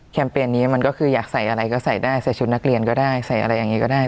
เปญนี้มันก็คืออยากใส่อะไรก็ใส่ได้ใส่ชุดนักเรียนก็ได้ใส่อะไรอย่างนี้ก็ได้